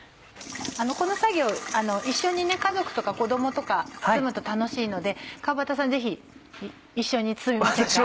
この作業一緒に家族とか子供とか包むと楽しいので川畑さんぜひ一緒に包みませんか？